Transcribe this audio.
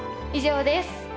以上です。